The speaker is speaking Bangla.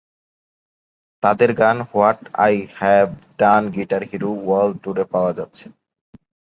তাদের গান what I have done guitar hero world ট্যুরে পাওয়া যাচ্ছে।